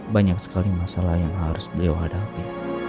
banyak sekali masalah yang harus beliau hadapi